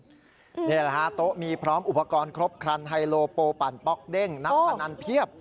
นี่แหละฮะโต๊ะมีพร้อมอุปกรณ์ครบครันไฮโลโปปั่นป๊อกเด้งนักพนันเพียบ